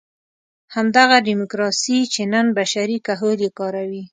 همدغه ډیموکراسي چې نن بشري کهول یې کاروي.